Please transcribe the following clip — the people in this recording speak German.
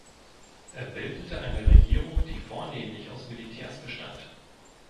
Er bildete eine Regierung, die vornehmlich aus Militärs bestand.